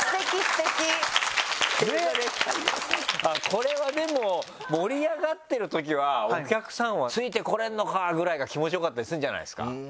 これはでも盛り上がってるときはお客さんは「ついてこれんのか！」ぐらいが気持ち良かったりするんじゃないですか？